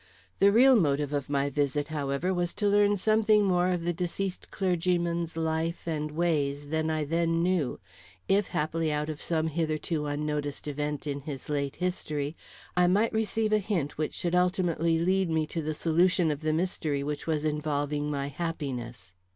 The real motive of my visit, however, was to learn something more of the deceased clergyman's life and ways than I then knew; if happily out of some hitherto unnoticed event in his late history I might receive a hint which should ultimately lead me to the solution of the mystery which was involving my happiness.